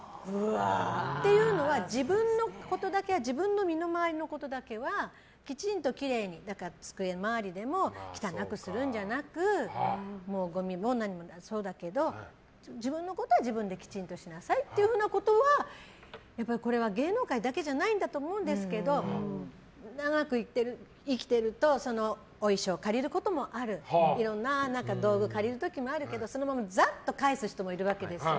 っていうのは自分の身の回りのことだけはきちんときれいに机周りでも汚くするんじゃなくごみもそうだけど、自分のことは自分できちんとしなさいっていうようなことはやっぱりこれは芸能界だけじゃないと思うんですけど長く生きてるとお衣装を借りることもあるいろんな道具を借りる時もあるけどそのままざっと返す人もいるわけですよ。